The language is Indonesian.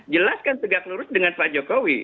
jelaskan tegak lurus dengan pak jokowi